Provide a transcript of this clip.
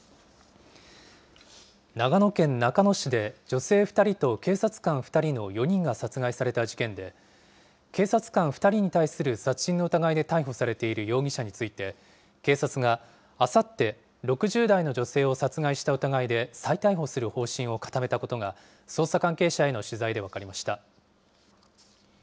長野県中野市で女性２人と警察官２人の４人が殺害された事件で、警察官２人に対する殺人の疑いで逮捕されている容疑者について、警察があさって、６０代の女性を殺害した疑いで再逮捕する方針を固めたことが、捜査関係者への取材で分かりました。